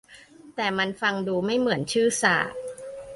แต่มันฟังดูไม่เหมือนชื่อศาสตร์